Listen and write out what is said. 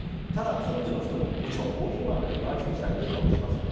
ただ近所の人も、もちろんコーヒー豆をばい煎したらいい香りしますよね。